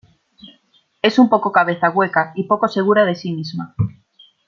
Es un poco cabeza hueca y poco segura de sí misma.